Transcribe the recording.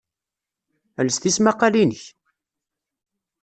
Els tismaqalin-ik!